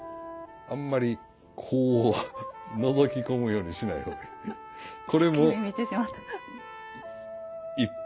あんまりこうのぞき込むようにしない方がいい。